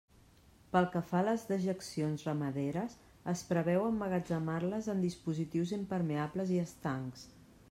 Pel que fa a les dejeccions ramaderes, es preveu emmagatzemar-les en dispositius impermeables i estancs.